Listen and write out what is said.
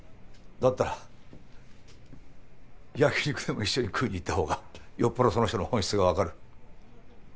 だったら焼き肉でも一緒に食いにいった方がよっぽどその人の本質が分かる。